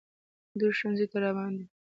دوی ښوونځي ته روان دي